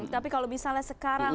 tapi kalau misalnya sekarang